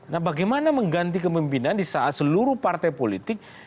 nah bagaimana mengganti kemimpinan di saat seluruh partai politik